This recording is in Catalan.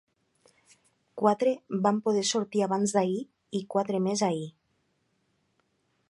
Quatre van poder sortir abans-d’ahir i quatre més ahir.